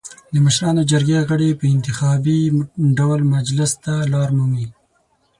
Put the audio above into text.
د مشرانو جرګې غړي په انتخابي ډول مجلس ته لار مومي.